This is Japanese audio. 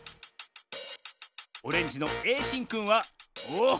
オレンジのえいしんくんはおお！